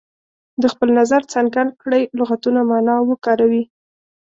د خپل نظر څرګند کړئ لغتونه معنا او وکاروي.